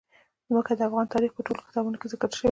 ځمکه د افغان تاریخ په ټولو کتابونو کې ذکر شوی دي.